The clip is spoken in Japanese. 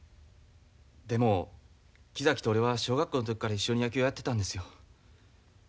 でも木崎と俺は小学校の時から一緒に野球をやってたんですよ。